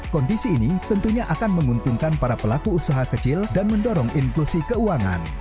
kondisi ini tentunya akan menguntungkan para pelaku usaha kecil dan mendorong inklusi keuangan